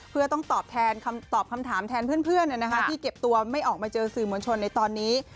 เพื่อต้องตอบแทนคำตอบคำถามแทนเพื่อนที่เก็บตัวไม่ออกมาเจอสื่อมวลชนในตอนนี้